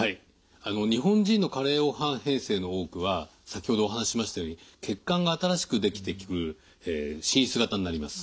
日本人の加齢黄斑変性の多くは先ほどお話ししましたように血管が新しくできてくる滲出型になります。